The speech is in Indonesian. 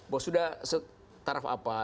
bahwa sudah setaraf apa